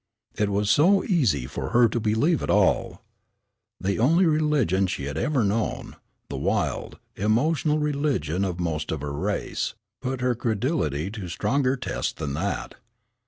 It was so easy for her to believe it all. The only religion she had ever known, the wild, emotional religion of most of her race, put her credulity to stronger tests than that.